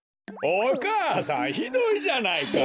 お母さんひどいじゃないか！